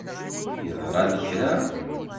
Yeḍṛa-d kra.